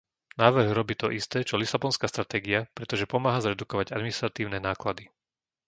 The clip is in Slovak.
Návrh robí to isté, čo lisabonská stratégia, pretože pomáha zredukovať administratívne náklady.